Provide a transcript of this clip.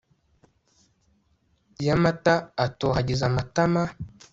ya mata atohagiza amatama